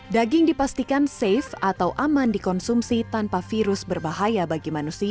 daging dipastikan safe atau aman dikonsumsi tanpa virus berbahaya bagi manusia